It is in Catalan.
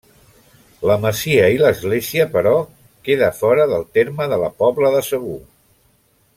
La masia i l'església, però, queda fora del terme de la Pobla de Segur.